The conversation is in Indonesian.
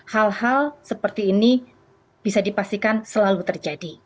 hal hal seperti ini bisa dipastikan selalu terjadi